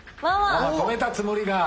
ママ止めたつもりが。